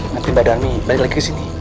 nanti mbak darmi balik lagi kesini